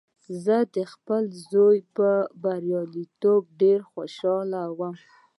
زه د خپل زوی په بریالیتوب ډېر خوشحاله وم